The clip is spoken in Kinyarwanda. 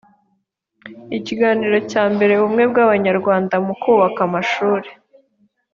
ikiganiro cyambere ubumwe bw abanyarwanda mu kubaka amashuri